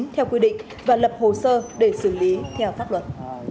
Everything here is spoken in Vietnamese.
theo quy định và lập hồ sơ để xử lý theo pháp luật